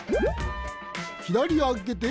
ひだりあげて。